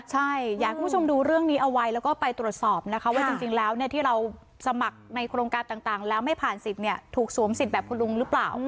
ใช่อยากให้คุณผู้ชมดูเรื่องนี้เอาไว้แล้วก็ไปตรวจสอบนะคะว่าจริงแล้วที่เราสมัครในโครงการต่างแล้วไม่ผ่านสิทธิ์ถูกสวมสิทธิ์แบบคุณลุงหรือเปล่า